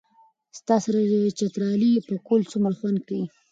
ستا سره چترالي پکول څومره خوند کئ